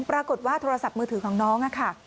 โทรศัพท์มือถือของน้องค่ะ